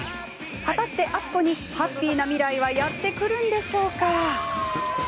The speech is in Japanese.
果たして篤子に、ハッピーな未来はやってくるんでしょうか。